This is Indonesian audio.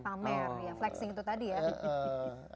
pamer ya flexing itu tadi ya